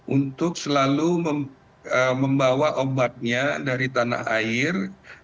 untuk selalu membawa obatnya dari tanah air